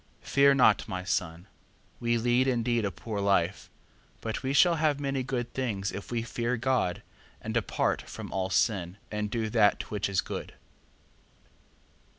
4:23. Fear not, my son: we lead indeed a poor life, but we shall have many good things if we fear God, and depart from all sin, and do that which is good.